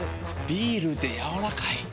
ビールでやわらかい。